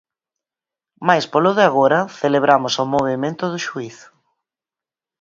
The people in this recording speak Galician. Mais polo de agora celebramos o movemento do xuíz.